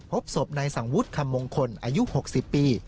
พบศพนายสังวุฒิคำมงคลอายุ๖๐ปี